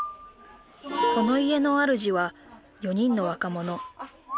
この家の主は４人の若者。